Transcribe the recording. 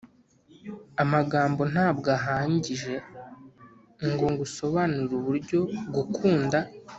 amagambo ntabwo ahangije ngo ngusobanurire uburyo gukunda